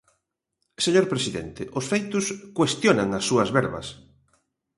Señor presidente, os feitos cuestionan as súas verbas.